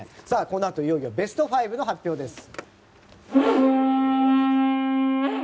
このあといよいよベスト５の発表です。